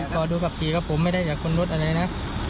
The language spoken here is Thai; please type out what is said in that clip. ก็ดูกับผีก็ผมไม่ได้เจอกับคนรถอะไรนะ